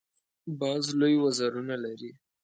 باز لوی وزرونه لري